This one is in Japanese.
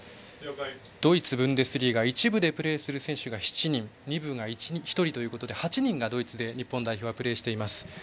ドイツブンデスリーガ１部でプレーする選手が７人、２部が１人で８人がドイツで日本代表はプレーしています。